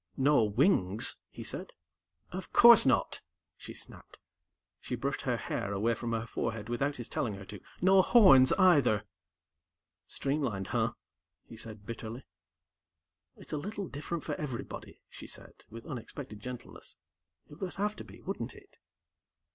"No wings," he said. "Of course not!" she snapped. She brushed her hair away from her forehead without his telling her to. "No horns, either." "Streamlined, huh?" he said bitterly. "It's a little different for everybody," she said with unexpected gentleness. "It would have to be, wouldn't it?"